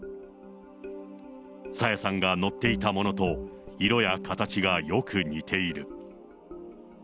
朝芽さんが乗っていたものと、色や形がよく似ている。